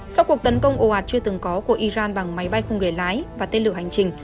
sau cuộc tấn công ồ ạt chưa từng có của iran bằng máy bay không người lái và tên lửa hành trình